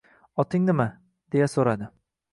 — Oting nima? — deya so‘radi.